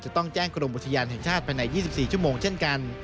จะต้องแจ้งกรมอุทยานแห่งชาติภายใน๒๔ชั่วโมงเช่นกัน